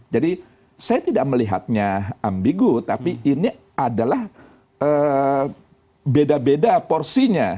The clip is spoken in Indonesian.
jadi saya tidak melihatnya ambigu tapi ini adalah beda beda porsinya